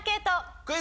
クイズ！